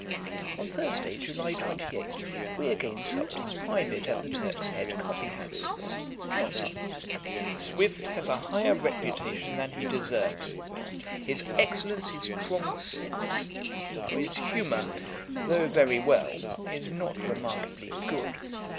On Thursday, July 28, we again supped in private at the Turk's Head coffee house. JOHNSON. 'Swift has a higher reputation than he deserves. His excellence is strong sense; for his humour, though very well, is not remarkably good.